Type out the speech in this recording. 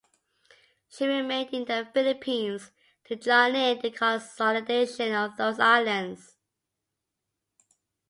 She remained in the Philippines to join in the consolidation of those islands.